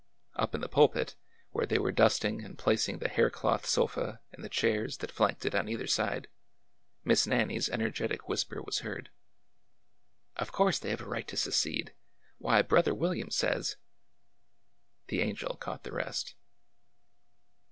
Up in the pulpit, where they were dusting and placing the hair cloth sofa and the chairs that flanked it on either side. Miss Nannie's energetic whisper was heard :" Of course they have a right to secede ! Why, brother William says—" The angel caught the rest.